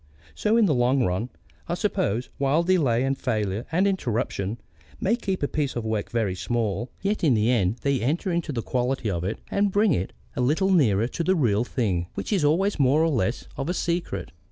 So in the long run, I suppose, while delay and failure and interruption may keep a piece of work very small, yet in the end they enter into the quality of it and bring it a little nearer to the real thing, which is always more or less of a secret.